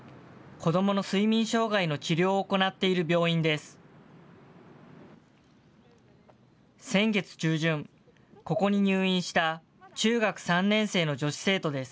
子どもの睡眠障害の治療を行っている病院です。